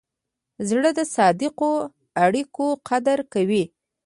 زړه د صادقو اړیکو قدر کوي.